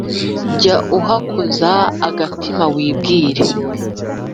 Jya uhakoza agatima wibwire,